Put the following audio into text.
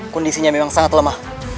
kondisinya memang sangat lemah